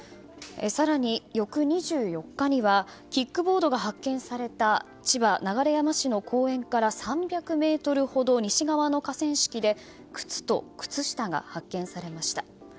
更に、翌２４日にはキックボードが発見された千葉・流山市の公園から３００ｍほど西側の河川敷で靴と靴下が発見されました。